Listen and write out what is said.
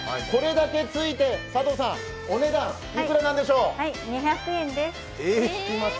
これだけついて佐藤さん、お値段いくらなんでしょう？